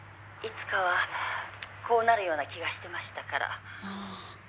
「いつかはこうなるような気がしてましたから」